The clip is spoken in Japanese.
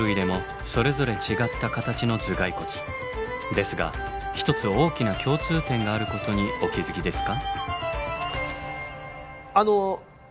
ですが一つ大きな共通点があることにお気付きですか？